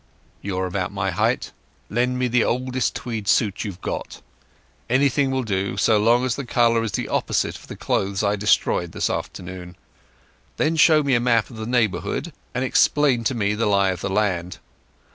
"You're about my height. Lend me the oldest tweed suit you've got. Anything will do, so long as the colour is the opposite of the clothes I destroyed this afternoon. Then show me a map of the neighbourhood and explain to me the lie of the land.